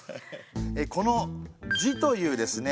この「字」というですね